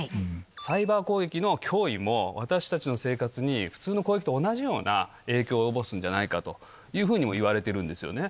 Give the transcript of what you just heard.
サイバー攻撃の脅威も、私たちの生活に普通の攻撃と同じような影響を及ぼすんじゃないかというふうにもいわれているんですよね。